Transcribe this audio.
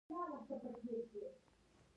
افغانستان باید څنګه ژوندی وي؟